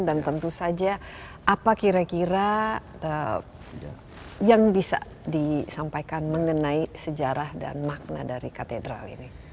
dan tentu saja apa kira kira yang bisa disampaikan mengenai sejarah dan makna dari katedral ini